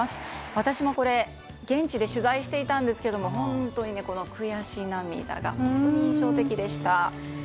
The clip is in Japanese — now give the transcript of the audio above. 私も現地で取材していたんですけれどもこの悔し涙が本当に印象的でした。